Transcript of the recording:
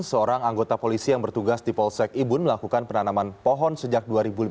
seorang anggota polisi yang bertugas di polsek ibun melakukan penanaman pohon sejak dua ribu lima belas